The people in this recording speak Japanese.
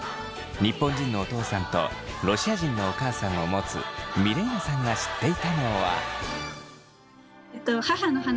日本人のお父さんとロシア人のお母さんを持つミレイナさんが知っていたのは。